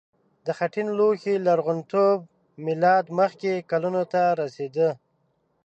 د خټین لوښي لرغونتوب میلاد مخکې کلونو ته رسیده.